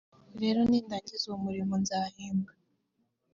rero nindangiza uwo murimo nzahembwa